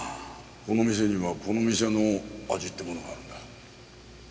この店にはこの店の味ってものがあるんだ。